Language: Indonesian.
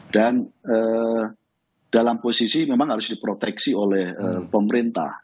dan dalam posisi memang harus diproteksi oleh pemerintah